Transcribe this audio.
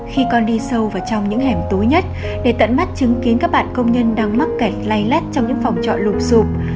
khi con đi sâu vào trong những hẻm tối nhất để tận mắt chứng kiến các bạn công nhân đang mắc kẹt lay lét trong những phòng trọ lụp sụp